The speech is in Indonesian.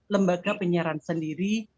lembaga penyiaran sendiri